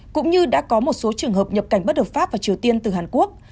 cũng như đã có một số trường hợp nhập cảnh bất hợp pháp vào triều tiên từ hàn quốc